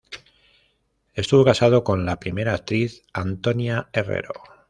Estuvo casado con la primera actriz Antonia Herrero.